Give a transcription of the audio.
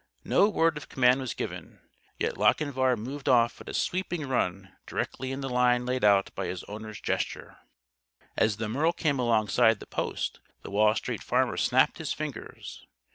No word of command was given; yet Lochinvar moved off at a sweeping run directly in the line laid out by his owner's gesture. As the Merle came alongside the post the Wall Street Farmer snapped his fingers.